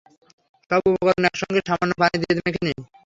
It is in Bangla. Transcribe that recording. সব উপকরণ একসঙ্গে সামান্য পানি দিয়ে মেখে নিন।